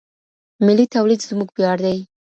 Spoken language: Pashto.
ملي توليد زموږ وياړ دی.